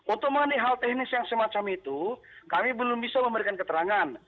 otomatis hal teknis yang semacam itu kami belum bisa memberikan keterangan